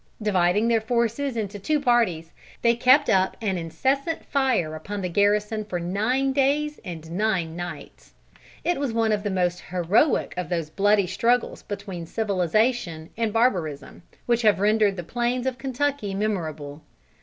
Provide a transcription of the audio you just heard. Dividing their forces into two parties, they kept up an incessant fire upon the garrison for nine days and nine nights. It was one of the most heroic of those bloody struggles between civilization and barbarism, which have rendered the plains of Kentucky memorable.